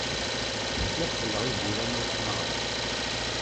Zgiɣ selleɣ i lǧiran-iw ttnaɣen.